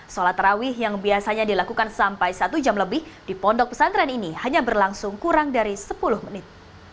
sholat rawih yang biasanya dilakukan sampai satu jam lebih di pondok pesantren ini hanya berlangsung kurang dari sepuluh menit